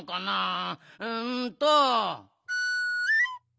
うんと。